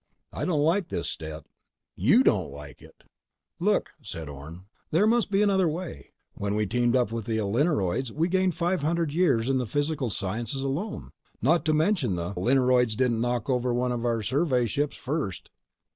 "I don't like this, Stet." "YOU don't like it!" "Look," said Orne. "There must be another way. Why ... when we teamed up with the Alerinoids we gained five hundred years in the physical sciences alone, not to mention the—" "The Alerinoids didn't knock over one of our survey ships first."